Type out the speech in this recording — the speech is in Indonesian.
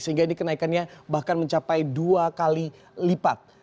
sehingga ini kenaikannya bahkan mencapai dua kali lipat